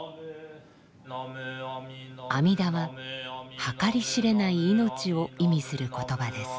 「阿弥陀」は計り知れない命を意味する言葉です。